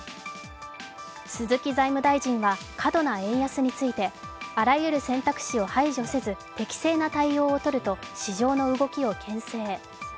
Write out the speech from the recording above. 鈴木財務大臣は過度な円安について、あらゆる選択肢を排除せず、適正な対応をとると市場の動きをけん制。